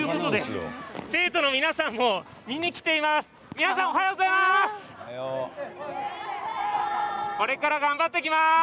生徒の皆さん、見に来ています。